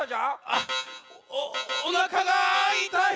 あっおおなかがいたい。